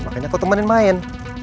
makanya aku temenin main